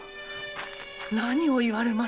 何を言われます。